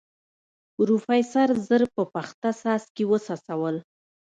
پروفيسر ژر په پخته څاڅکي وڅڅول.